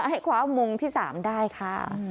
ให้คว้ามงที่๓ได้ค่ะ